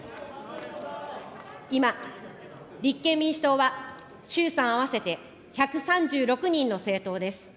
今、立憲民主党は、衆参合わせて１３６人の政党です。